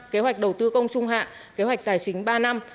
kế hoạch đầu tư công trung hạn kế hoạch tài chính ba năm